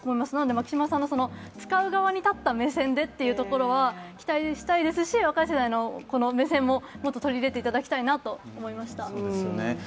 牧島さんの使う側に立った目線でというところは期待したいですし若い世代の目線も取り入れていただきたいなと思いました。